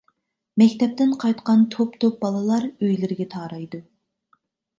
مەكتەپتىن قايتقان توپ-توپ بالىلار ئۆيلىرىگە تارايدۇ.